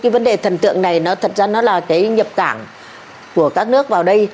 vấn đề thần tượng này nó thật ra nó là cái nhập cảng của các nước vào đây